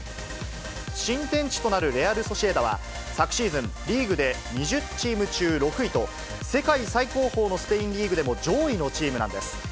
新天地となるレアル・ソシエダは、昨シーズン、リーグで２０チーム中６位と、世界最高峰のスペインリーグでも上位のチームなんです。